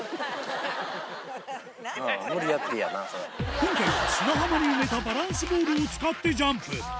今回は砂浜に埋めたバランスボールを使ってジャンプ！